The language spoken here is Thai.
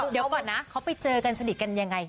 เดี๋ยวก่อนนะเขาไปเจอกันสนิทกันยังไง